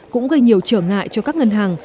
cũng gây nhiều trở ngại cho các ngân hàng